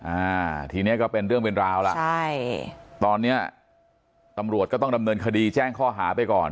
อ่าทีเนี้ยก็เป็นเรื่องเป็นราวล่ะใช่ตอนเนี้ยตำรวจก็ต้องดำเนินคดีแจ้งข้อหาไปก่อน